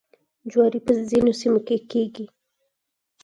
جواری په ځینو سیمو کې کیږي.